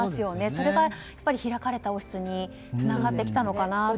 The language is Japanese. それが開かれた王室につながってきたのかなって。